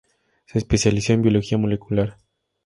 Se especializó en Biología Molecular.